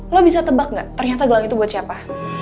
lo bisa tebak gak ternyata gelang itu buat siapa